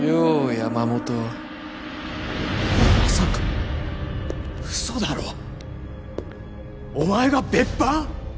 山本まさか嘘だろお前が別班！？